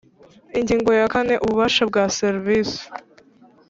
Ingingo ya kane Ubabasha bwa ba Visi